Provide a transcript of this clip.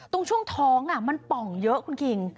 ช่วงท้องมันป่องเยอะคุณคิง